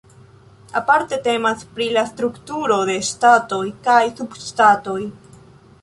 Aparte temas pri la strukturo de ŝtatoj kaj subŝtatoj.